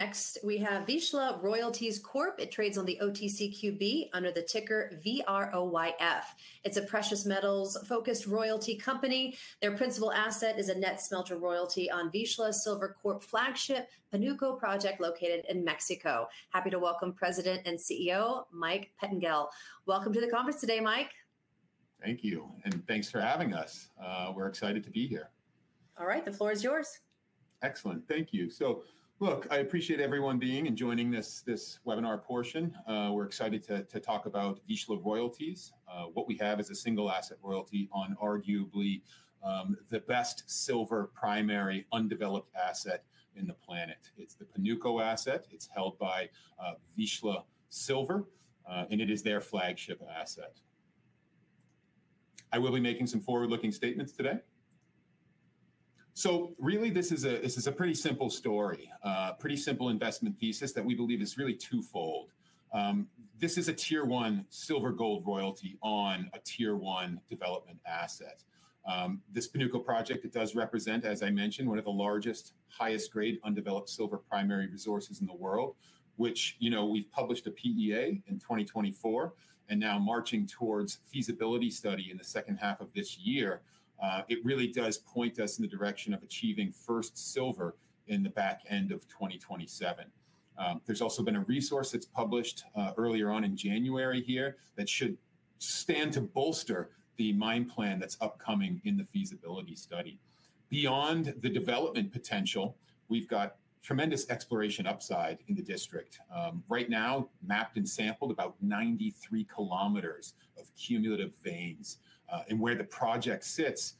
Next, we have Vizsla Royalties Corp. It trades on the OTCQB under the ticker VROYF. It's a precious metals-focused royalty company. Their principal asset is a net smelter return royalty on Vizsla Silver Corp.'s flagship Panuco project located in Mexico. Happy to welcome President and CEO, Mike Pettingell. Welcome to the conference today, Mike. Thank you, and thanks for having us. We're excited to be here. All right, the floor is yours. Excellent, thank you. Look, I appreciate everyone being and joining this webinar portion. We're excited to talk about Vizsla Royalties, what we have as a single asset royalty on arguably the best silver primary undeveloped asset in the planet. It's the Panuco asset. It's held by Vizsla Silver, and it is their flagship asset. I will be making some forward-looking statements today. Really, this is a pretty simple story, a pretty simple investment thesis that we believe is really twofold. This is a tier-one silver-gold royalty on a tier-one development asset. This Panuco project, it does represent, as I mentioned, one of the largest, highest-grade undeveloped silver primary resources in the world, which, you know, we've published a PEA in 2024 and now marching towards feasibility study in the second half of this year. It really does point us in the direction of achieving first silver in the back end of 2027. There has also been a resource that was published earlier on in January here that should stand to bolster the mine plan that is upcoming in the feasibility study. Beyond the development potential, we have got tremendous exploration upside in the district. Right now, mapped and sampled, about 93 km of cumulative veins. Where the project sits,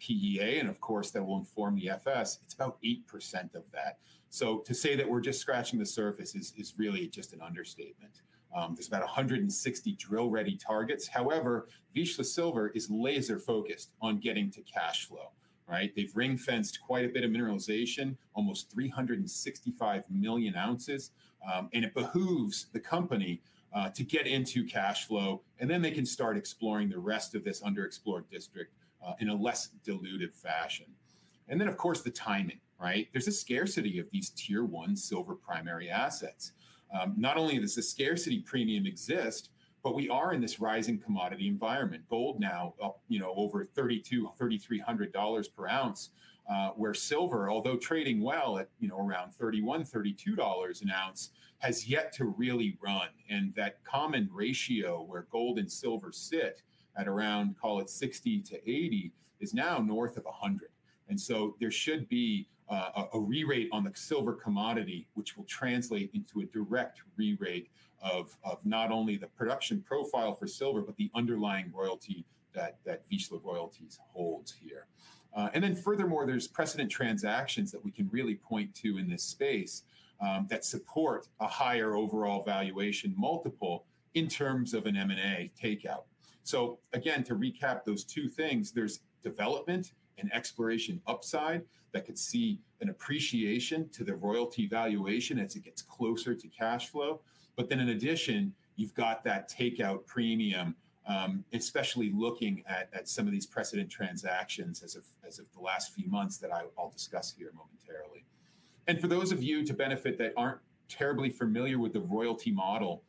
PEA, and of course, that will inform the FS, it is about 8% of that. To say that we are just scratching the surface is really just an understatement. There are about 160 drill-ready targets. However, Vizsla Silver is laser-focused on getting to cash flow, right? They've ring-fenced quite a bit of mineralization, almost 365 million ounces, and it behooves the company to get into cash flow, and then they can start exploring the rest of this underexplored district in a less diluted fashion. Of course, the timing, right? There's a scarcity of these tier-one silver primary assets. Not only does the scarcity premium exist, but we are in this rising commodity environment. Gold now, you know, over 3,200, 3,300 dollars per ounce, where silver, although trading well at, you know, around 31, 32 dollars an ounce, has yet to really run. That common ratio where gold and silver sit at around, call it 60 to 80, is now North of 100. There should be a re-rate on the silver commodity, which will translate into a direct re-rate of not only the production profile for silver, but the underlying royalty that Vizsla Royalties holds here. Furthermore, there are precedent transactions that we can really point to in this space that support a higher overall valuation multiple in terms of an M&A takeout. Again, to recap those two things, there is development and exploration upside that could see an appreciation to the royalty valuation as it gets closer to cash flow. In addition, you have that takeout premium, especially looking at some of these precedent transactions as of the last few months that I will discuss here momentarily. For those of you to benefit that are not terribly familiar with the royalty model,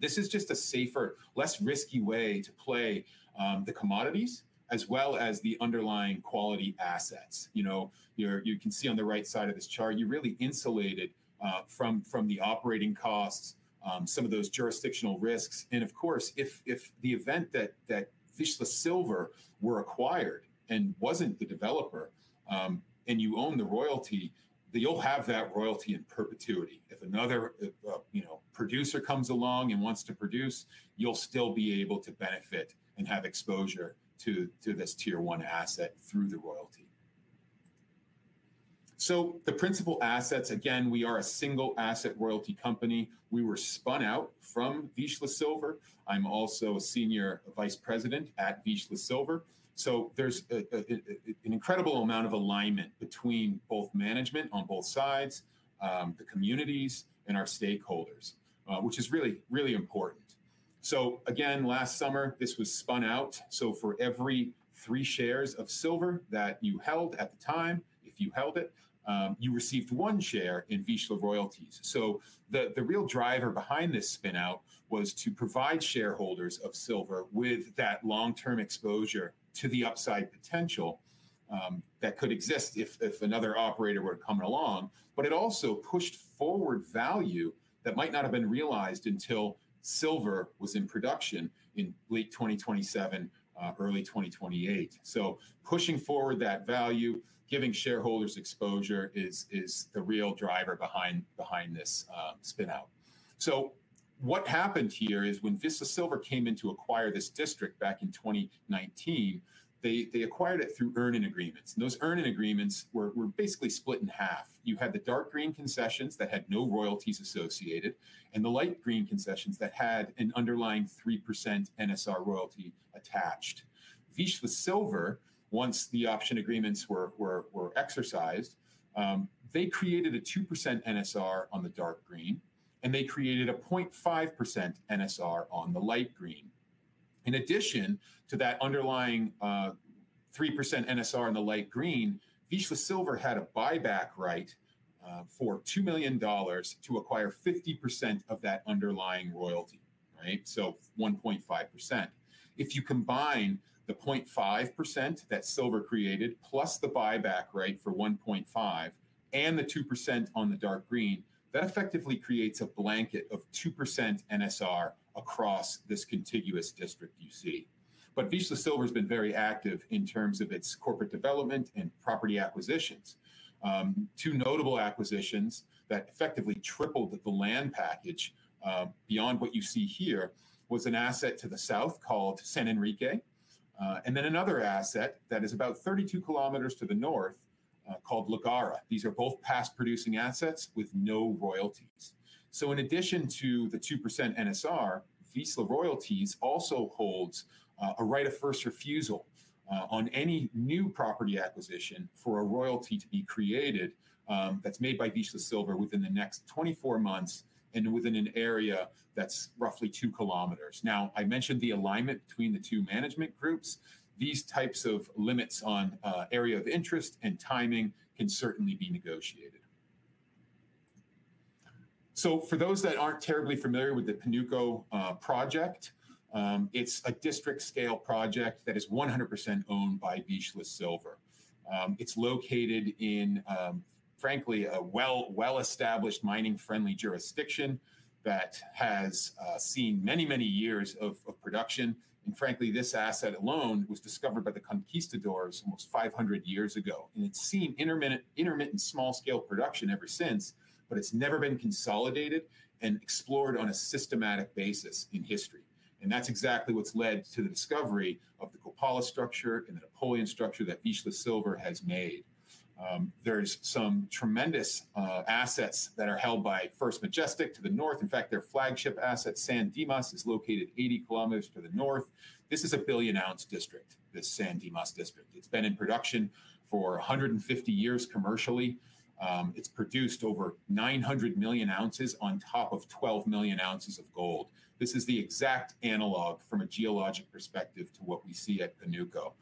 this is just a safer, less risky way to play the commodities as well as the underlying quality assets. You know, you can see on the right side of this chart, you are really insulated from the operating costs, some of those jurisdictional risks. Of course, if the event that Vizsla Silver were acquired and was not the developer, and you own the royalty, you will have that royalty in perpetuity. If another producer comes along and wants to produce, you will still be able to benefit and have exposure to this tier-one asset through the royalty. The principal assets, again, we are a single asset royalty company. We were spun out from Vizsla Silver. I am also a Senior Vice President at Vizsla Silver. There's an incredible amount of alignment between both management on both sides, the communities, and our stakeholders, which is really, really important. Again, last summer, this was spun out. For every three shares of silver that you held at the time, if you held it, you received one share in Vizsla Royalties. The real driver behind this spin-out was to provide shareholders of silver with that long-term exposure to the upside potential that could exist if another operator were to come along. It also pushed forward value that might not have been realized until silver was in production in late 2027, early 2028. Pushing forward that value, giving shareholders exposure is the real driver behind this spin-out. What happened here is when Vizsla Silver came in to acquire this district back in 2019, they acquired it through earning agreements. Those earning agreements were basically split in half. You had the dark green concessions that had no royalties associated and the light green concessions that had an underlying 3% NSR royalty attached. Vizsla Silver, once the option agreements were exercised, created a 2% NSR on the dark green, and created a 0.5% NSR on the light green. In addition to that underlying 3% NSR in the light green, Vizsla Silver had a buyback right for 2 million dollars to acquire 50% of that underlying royalty, right? So, 1.5%. If you combine the 0.5% that Vizsla Silver created plus the buyback right for 1.5% and the 2% on the dark green, that effectively creates a blanket of 2% NSR across this contiguous district you see. Vizsla Silver has been very active in terms of its corporate development and property acquisitions. Two notable acquisitions that effectively tripled the land package beyond what you see here was an asset to the South called San Enrique, and then another asset that is about 32 km to the North called Legara. These are both past-producing assets with no royalties. In addition to the 2% NSR, Vizsla Royalties also holds a right of first refusal on any new property acquisition for a royalty to be created that's made by Vizsla Silver within the next 24 months and within an area that's roughly 2 km. I mentioned the alignment between the two management groups. These types of limits on area of interest and timing can certainly be negotiated. For those that aren't terribly familiar with the Panuco project, it's a district-scale project that is 100% owned by Vizsla Silver. It's located in, frankly, a well-established mining-friendly jurisdiction that has seen many, many years of production. Frankly, this asset alone was discovered by the conquistadors almost 500 years ago. It's seen intermittent small-scale production ever since, but it's never been consolidated and explored on a systematic basis in history. That's exactly what's led to the discovery of the Coppola structure and the Napoleon structure that Vizsla Silver has made. There are some tremendous assets that are held by First Majestic to the North. In fact, their flagship asset, San Dimas, is located 80 km to the North. This is a billion-ounce district, this San Dimas district. It's been in production for 150 years commercially. It's produced over 900 million ounces on top of 12 million ounces of gold. This is the exact analog from a geologic perspective to what we see at Panuco.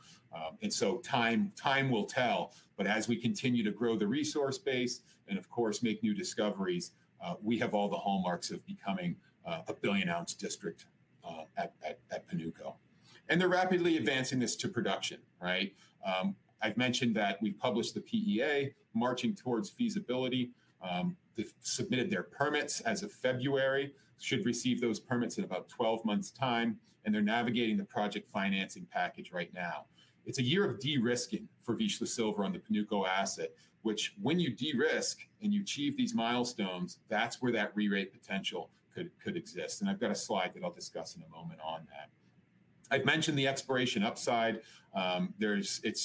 Time will tell. As we continue to grow the resource base and, of course, make new discoveries, we have all the hallmarks of becoming a billion-ounce district at Panuco. They are rapidly advancing this to production, right? I have mentioned that we have published the PEA, marching towards feasibility. They have submitted their permits as of February, should receive those permits in about 12 months' time, and they are navigating the project financing package right now. It is a year of de-risking for Vizsla Silver on the Panuco asset, which, when you de-risk and you achieve these milestones, that is where that re-rate potential could exist. I have got a slide that I will discuss in a moment on that. I have mentioned the exploration upside. There is, it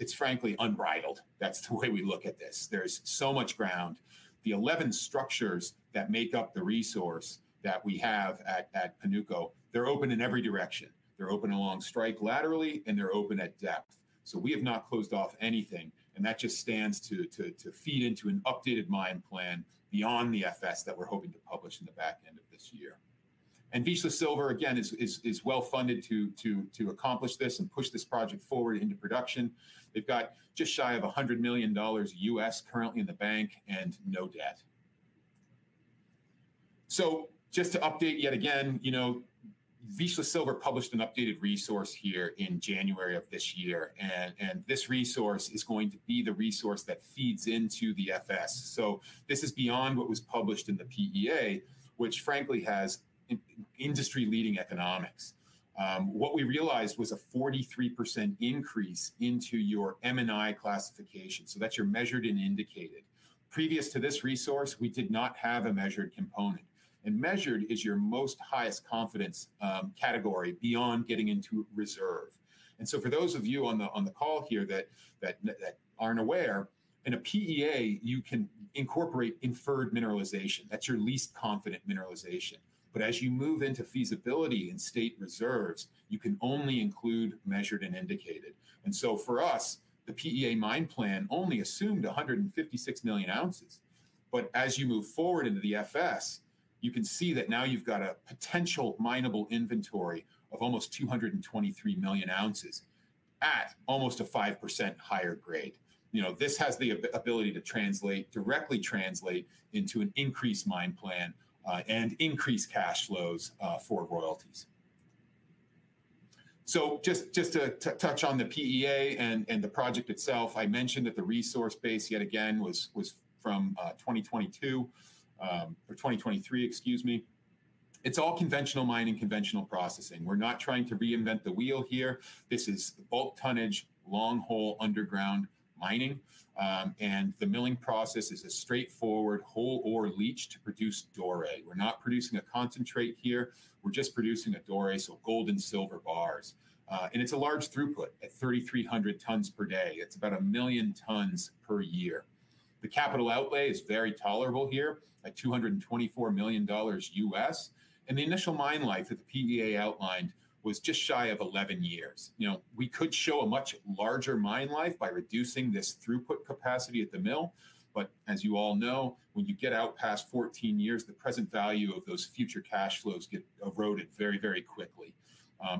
is frankly unbridled. That is the way we look at this. There is so much ground. The 11 structures that make up the resource that we have at Panuco, they are open in every direction. They're open along strike laterally, and they're open at depth. We have not closed off anything. That just stands to feed into an updated mine plan beyond the FS that we're hoping to publish in the back end of this year. Vizsla Silver, again, is well-funded to accomplish this and push this project forward into production. They've got just shy of $100 million U.S currently in the bank and no debt. Just to update yet again, you know, Vizsla Silver published an updated resource here in January of this year. This resource is going to be the resource that feeds into the FS. This is beyond what was published in the PEA, which frankly has industry-leading economics. What we realized was a 43% increase into your M&I classification. That's your measured and indicated. Previous to this resource, we did not have a measured component. And measured is your most highest confidence category beyond getting into reserve. And so, for those of you on the call here that aren't aware, in a PEA, you can incorporate inferred mineralization. That's your least confident mineralization. But as you move into feasibility and state reserves, you can only include measured and indicated. And so, for us, the PEA mine plan only assumed 156 million ounces. But as you move forward into the FS, you can see that now you've got a potential minable inventory of almost 223 million ounces at almost a 5% higher grade. You know, this has the ability to translate, directly translate into an increased mine plan and increased cash flows for royalties. Just to touch on the PEA and the project itself, I mentioned that the resource base yet again was from 2022 or 2023, excuse me. It's all conventional mining, conventional processing. We're not trying to reinvent the wheel here. This is bulk tonnage, long hole underground mining. The milling process is a straightforward whole ore leach to produce doré. We're not producing a concentrate here. We're just producing a doré, so gold and silver bars. It's a large throughput at 3,300 tons per day. It's about a million tons per year. The capital outlay is very tolerable here at $224 million U.S. The initial mine life that the PEA outlined was just shy of 11 years. You know, we could show a much larger mine life by reducing this throughput capacity at the mill. As you all know, when you get out past 14 years, the present value of those future cash flows gets eroded very, very quickly.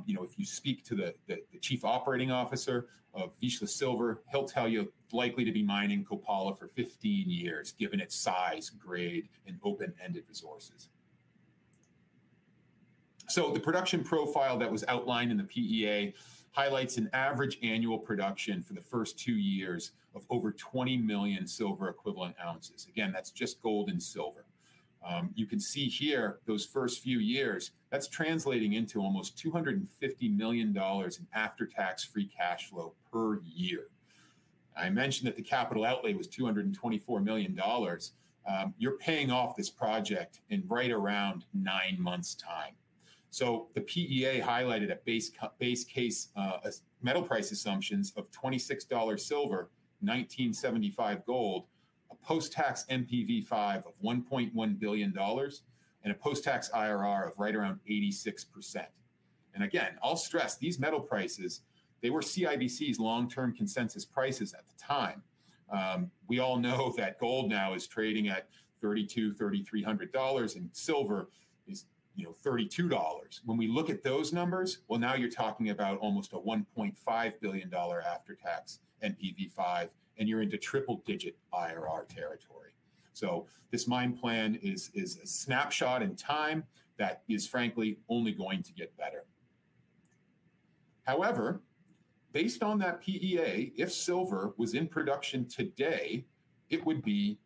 You know, if you speak to the Chief Operating Officer of Vizsla Silver, he'll tell you likely to be mining Coppola for 15 years, given its size, grade, and open-ended resources. The production profile that was outlined in the PEA highlights an average annual production for the first two years of over 20 million silver equivalent ounces. Again, that's just gold and silver. You can see here those first few years, that's translating into almost 250 million dollars in after-tax free cash flow per year. I mentioned that the capital outlay was 224 million dollars. You're paying off this project in right around nine months' time. The PEA highlighted a base case metal price assumptions of 26 dollar silver, 1,975 gold, a post-tax NPV5 of 1.1 billion dollars, and a post-tax IRR of right around 86%. Again, I'll stress these metal prices, they were CIBC's long-term consensus prices at the time. We all know that gold now is trading at 3,200, 3,300 dollars, and silver is, you know, 32 dollars. When we look at those numbers, now you're talking about almost a 1.5 billion dollar after-tax NPV5, and you're into triple-digit IRR territory. This mine plan is a snapshot in time that is frankly only going to get better. However, based on that PEA, if silver was in production today, it would be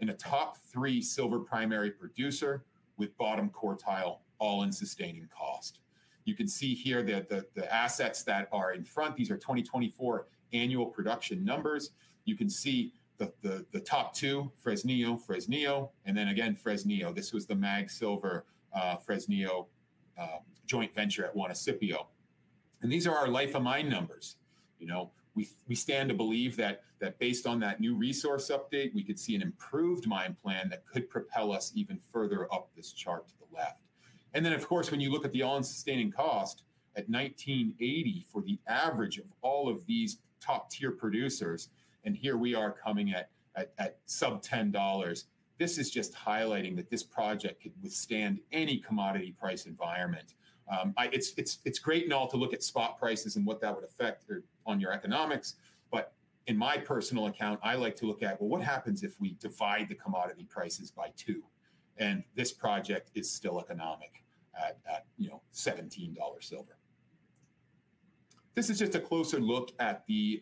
in a top three silver primary producer with bottom quartile all-in sustaining cost. You can see here that the assets that are in front, these are 2024 annual production numbers. You can see the top two, Fresnillo, Fresnillo, and then again, Fresnillo. This was the MAG Silver Fresnillo joint venture at Juanicipio. And these are our life of mine numbers. You know, we stand to believe that based on that new resource update, we could see an improved mine plan that could propel us even further up this chart to the left. Of course, when you look at the all-in sustaining cost at 19.80 for the average of all of these top-tier producers, and here we are coming at sub-CAD 10, this is just highlighting that this project could withstand any commodity price environment. It's great and all to look at spot prices and what that would affect on your economics. But in my personal account, I like to look at, well, what happens if we divide the commodity prices by two? This project is still economic at, you know, 17 dollar silver. This is just a closer look at the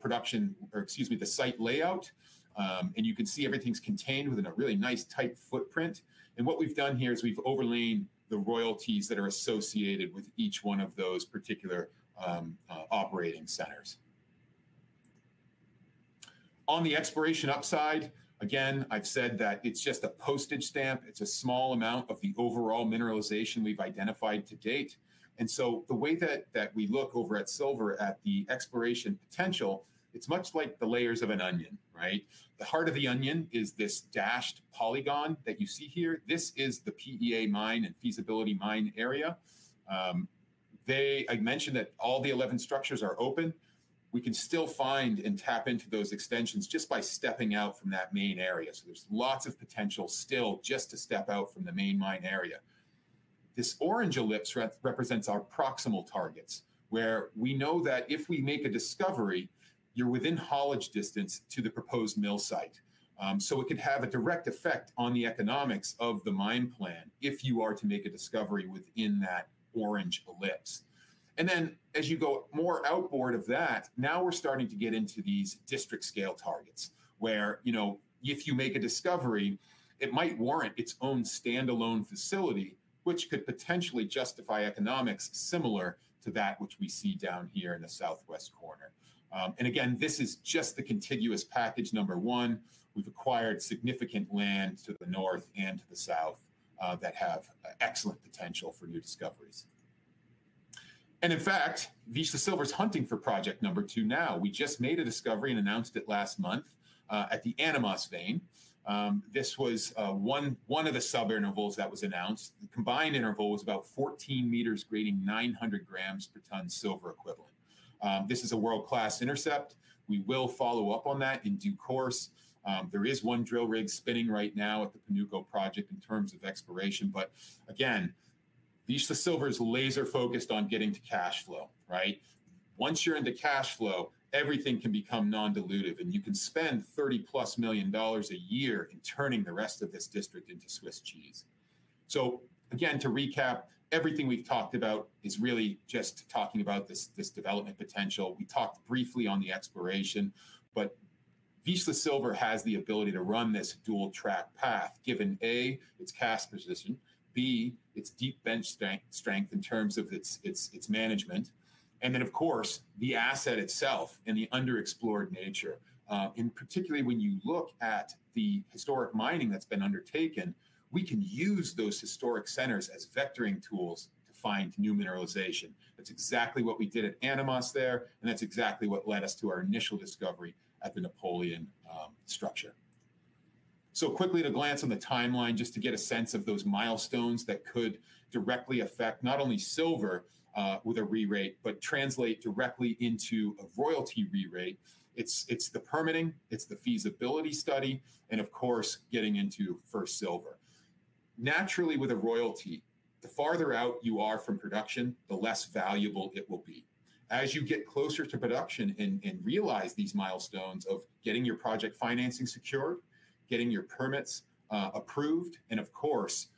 production, or excuse me, the site layout. You can see everything's contained within a really nice tight footprint. What we've done here is we've overlaid the royalties that are associated with each one of those particular operating centers. On the exploration upside, again, I've said that it's just a postage stamp. It's a small amount of the overall mineralization we've identified to date. The way that we look over at silver at the exploration potential, it's much like the layers of an onion, right? The heart of the onion is this dashed polygon that you see here. This is the PEA mine and feasibility mine area. I mentioned that all the 11 structures are open. We can still find and tap into those extensions just by stepping out from that main area. There is lots of potential still just to step out from the main mine area. This orange ellipse represents our proximal targets where we know that if we make a discovery, you are within haulage distance to the proposed mill site. It could have a direct effect on the economics of the mine plan if you are to make a discovery within that orange ellipse. As you go more outboard of that, now we are starting to get into these district-scale targets where, you know, if you make a discovery, it might warrant its own standalone facility, which could potentially justify economics similar to that which we see down here in the Southwest corner. This is just the contiguous package number one. We've acquired significant land to the North and to the South that have excellent potential for new discoveries. In fact, Vizsla Silver is hunting for project number two now. We just made a discovery and announced it last month at the Animas vein. This was one of the sub-intervals that was announced. The combined interval was about 14 ms grading 900 gms per ton silver equivalent. This is a world-class intercept. We will follow up on that in due course. There is one drill rig spinning right now at the Panuco project in terms of exploration. Vizsla Silver is laser-focused on getting to cash flow, right? Once you're in the cash flow, everything can become non-dilutive. You can spend 30 million dollars+ a year in turning the rest of this district into Swiss cheese. Again, to recap, everything we've talked about is really just talking about this development potential. We talked briefly on the exploration, but Vizsla Silver has the ability to run this dual-track path given A, its cash position, B, its deep bench strength in terms of its management. Of course, the asset itself and the underexplored nature. Particularly when you look at the historic mining that's been undertaken, we can use those historic centers as vectoring tools to find new mineralization. That's exactly what we did at Animas there. That's exactly what led us to our initial discovery at the Napoleon structure. Quickly to glance on the timeline just to get a sense of those milestones that could directly affect not only silver with a re-rate, but translate directly into a royalty re-rate. It's the permitting, it's the feasibility study, and of course, getting into first silver. Naturally, with a royalty, the farther out you are from production, the less valuable it will be. As you get closer to production and realize these milestones of getting your project financing secured, getting your permits approved, and of course,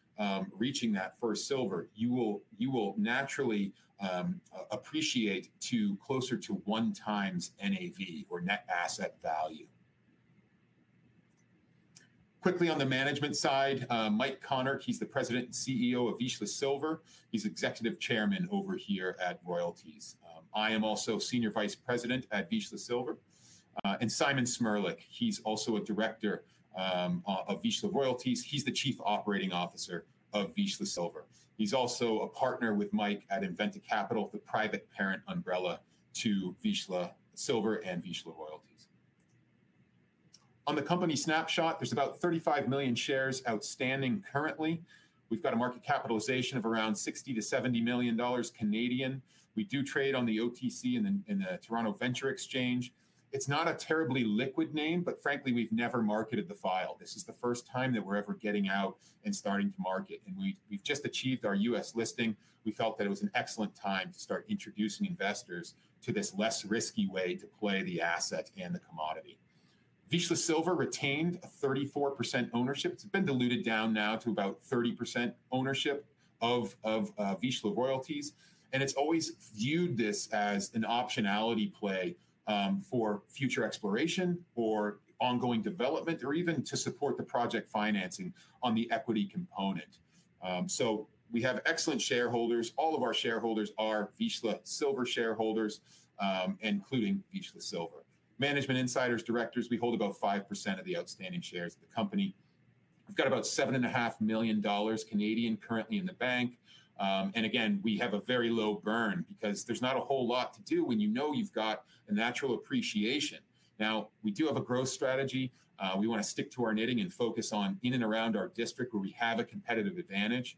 reaching that first silver, you will naturally appreciate to closer to one times NAV or net asset value. Quickly on the management side, Michael Konnert, he's the president and CEO of Vizsla Silver. He's executive chairman over here at Royalties. I am also senior vice president at Vizsla Silver. And Simon Cmrlec, he's also a director of Vizsla Royalties. He's the chief operating officer of Vizsla Silver. He's also a partner with Mike at Inventa Capital, the private parent umbrella to Vizsla Silver and Vizsla Royalties. On the company snapshot, there's about 35 million shares outstanding currently. We've got a market capitalization of around 60 million to 70 million Canadian dollars. We do trade on the OTC and the Toronto Venture Exchange. It's not a terribly liquid name, but frankly, we've never marketed the file. This is the first time that we're ever getting out and starting to market. We've just achieved our U.S. listing. We felt that it was an excellent time to start introducing investors to this less risky way to play the asset and the commodity. Vizsla Silver retained a 34% ownership. It's been diluted down now to about 30% ownership of Vizsla Royalties. It's always viewed this as an optionality play for future exploration or ongoing development or even to support the project financing on the equity component. We have excellent shareholders. All of our shareholders are Vizsla Silver shareholders, including Vizsla Silver. Management insiders, directors, we hold about 5% of the outstanding shares of the company. We have about 7.5 million Canadian dollars currently in the bank. Again, we have a very low burn because there is not a whole lot to do when you know you have got a natural appreciation. Now, we do have a growth strategy. We want to stick to our knitting and focus on in and around our district where we have a competitive advantage.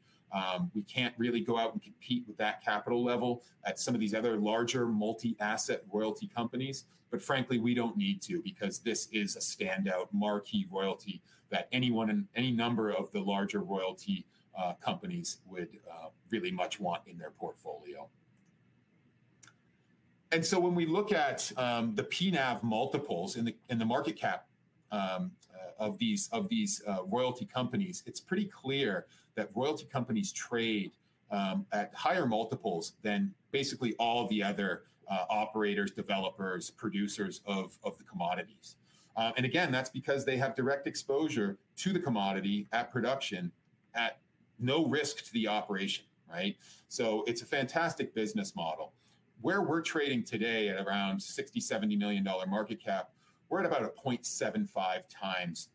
We cannot really go out and compete with that capital level at some of these other larger multi-asset royalty companies. Frankly, we do not need to because this is a standout marquee royalty that anyone in any number of the larger royalty companies would really much want in their portfolio. When we look at the PNAV multiples in the market cap of these royalty companies, it's pretty clear that royalty companies trade at higher multiples than basically all the other operators, developers, producers of the commodities. Again, that's because they have direct exposure to the commodity at production at no risk to the operation, right? It's a fantastic business model. Where we're trading today at around 60 million-70 million dollar market cap, we're at about a 0.75 times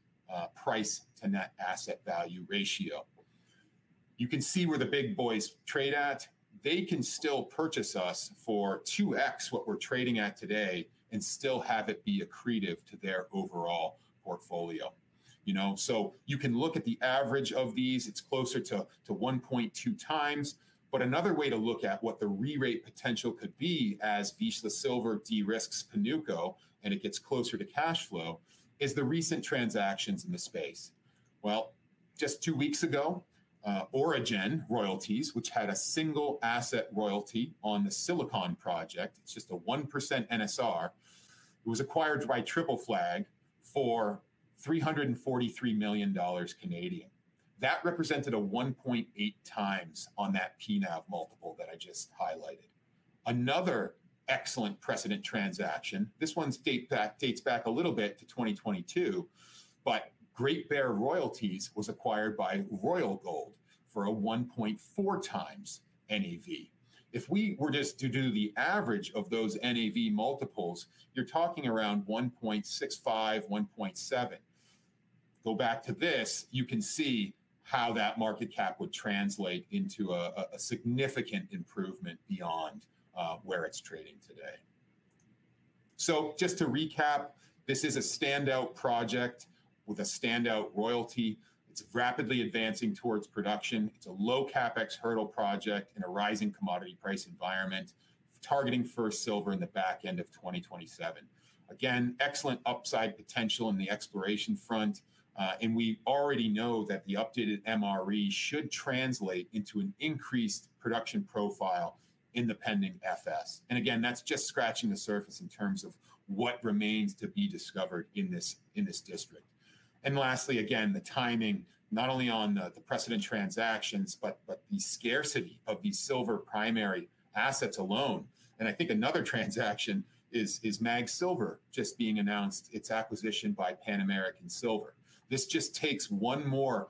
price to net asset value ratio. You can see where the big boys trade at. They can still purchase us for 2x what we're trading at today and still have it be accretive to their overall portfolio. You know, you can look at the average of these. It's closer to 1.2 times. Another way to look at what the re-rate potential could be as Vizsla Silver de-risks Panuco and it gets closer to cash flow is the recent transactions in the space. Just two weeks ago, Origen Royalties, which had a single asset royalty on the Silicon project, just a 1% NSR, was acquired by Triple Flag Precious Metals for 343 million Canadian dollars. That represented a 1.8 times on that PNAV multiple that I just highlighted. Another excellent precedent transaction, this one dates back a little bit to 2022, Great Bear Royalties was acquired by Royal Gold for a 1.4 times NAV. If we were just to do the average of those NAV multiples, you are talking around 1.65 million, 1.7 million. Go back to this, you can see how that market cap would translate into a significant improvement beyond where it is trading today. Just to recap, this is a standout project with a standout royalty. It is rapidly advancing towards production. It is a low CapEx hurdle project in a rising commodity price environment targeting first silver in the back end of 2027. Again, excellent upside potential on the exploration front. We already know that the updated MRE should translate into an increased production profile in the pending FS. That is just scratching the surface in terms of what remains to be discovered in this district. Lastly, the timing, not only on the precedent transactions, but the scarcity of these silver primary assets alone. I think another transaction is MAG Silver just being announced its acquisition by Pan American Silver. This just takes one more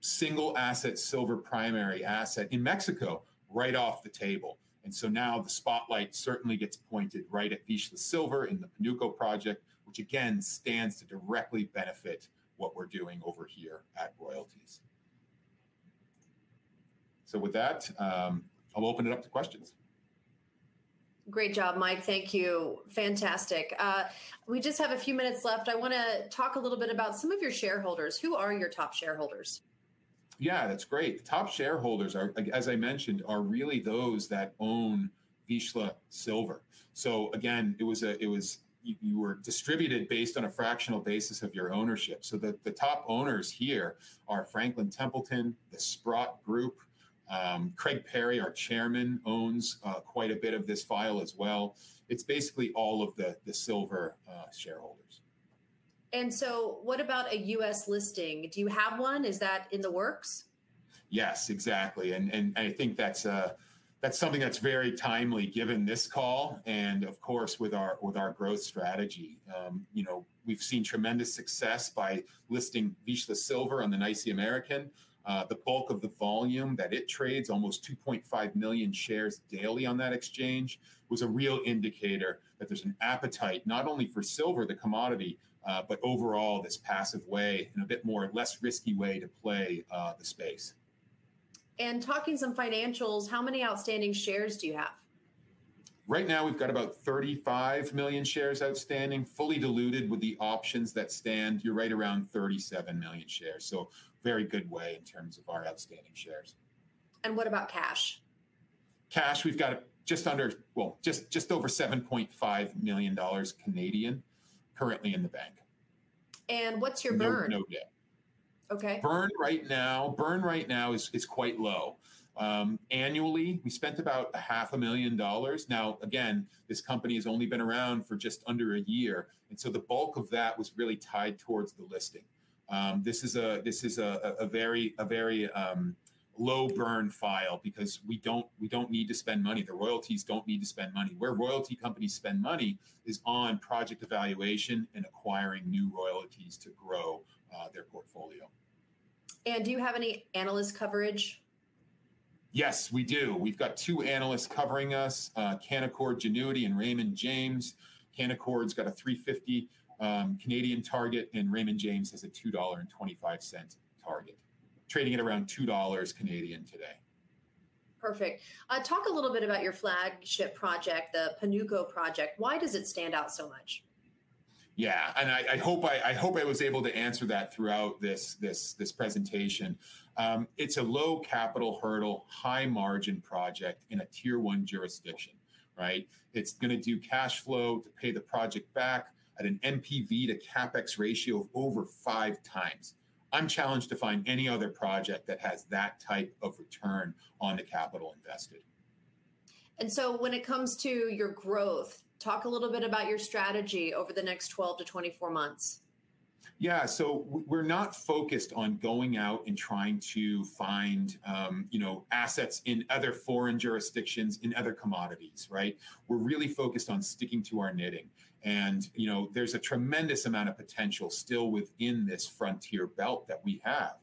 single asset silver primary asset in Mexico right off the table. Now the spotlight certainly gets pointed right at Vizsla Silver in the Panuco project, which again stands to directly benefit what we are doing over here at Royalties. With that, I will open it up to questions. Great job, Mike. Thank you. Fantastic. We just have a few minutes left. I want to talk a little bit about some of your shareholders. Who are your top shareholders? Yeah, that is great. Top shareholders are, as I mentioned, really those that own Vizsla Silver. Again, you were distributed based on a fractional basis of your ownership. The top owners here are Franklin Templeton, the Sprott Group. Craig Parry, our Chairman, owns quite a bit of this file as well. It is basically all of the silver shareholders. What about a U.S. listing? Do you have one? Is that in the works? Yes, exactly. I think that's something that's very timely given this call. Of course, with our growth strategy, you know, we've seen tremendous success by listing Vizsla Silver on the NYSE American. The bulk of the volume that it trades, almost 2.5 million shares daily on that exchange, was a real indicator that there's an appetite not only for silver, the commodity, but overall this passive way and a bit more less risky way to play the space. Talking some financials, how many outstanding shares do you have? Right now, we've got abot 35 million shares outstanding, fully diluted with the options that stand. You're right around 37 million shares. Very good way in terms of our outstanding shares. What about cash? Cash, we've got just under, well, just over 7.5 million Canadian dollars currently in the bank. What's your burn? No debt. Okay. Burn right now, burn right now is quite low. Annually, we spent about 500,000 dollars. Now, again, this company has only been around for just under a year. The bulk of that was really tied towards the listing. This is a very low burn file because we do not need to spend money. The royalties do not need to spend money. Where royalty companies spend money is on project evaluation and acquiring new royalties to grow their portfolio. Do you have any analyst coverage? Yes, we do. We have two analysts covering us, Canaccord Genuity and Raymond James. Canaccord's got a 3.50 target and Raymond James has a 2.25 dollar target, trading at around 2 Canadian dollars today. Perfect. Talk a little bit about your flagship project, the Panuco project. Why does it stand out so much? Yeah, and I hope I was able to answer that throughout this presentation. It's a low capital hurdle, high margin project in a tier one jurisdiction, right? It's going to do cash flow to pay the project back at an NPV to CapEx ratio of over five times. I'm challenged to find any other project that has that type of return on the capital invested. When it comes to your growth, talk a little bit about your strategy over the next 12 to 24 months. Yeah, so we're not focused on going out and trying to find, you know, assets in other foreign jurisdictions in other commodities, right? We're really focused on sticking to our knitting. You know, there's a tremendous amount of potential still within this frontier belt that we have.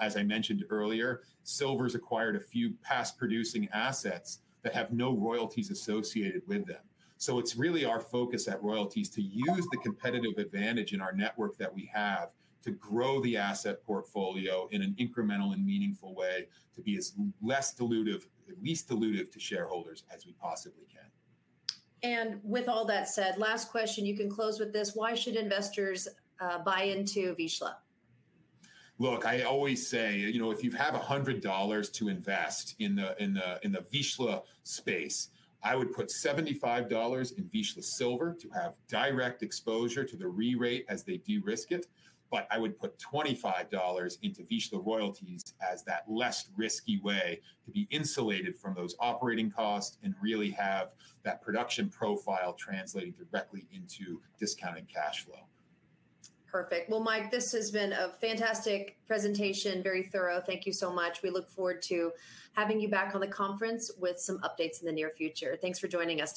As I mentioned earlier, Silver has acquired a few past producing assets that have no royalties associated with them. It is really our focus at Royalties to use the competitive advantage in our network that we have to grow the asset portfolio in an incremental and meaningful way to be as less dilutive, at least dilutive to shareholders as we possibly can. With all that said, last question, you can close with this. Why should investors buy into Vizsla? Look, I always say, you know, if you have 100 dollars to invest in the Vizsla space, I would put 75 dollars in Vizsla Silver to have direct exposure to the re-rate as they de-risk it. I would put 25 dollars into Vizsla Royalties as that less risky way to be insulated from those operating costs and really have that production profile translating directly into discounting cash flow. Perfect. Mike, this has been a fantastic presentation, very thorough. Thank you so much. We look forward to having you back on the conference with some updates in the near future. Thanks for joining us.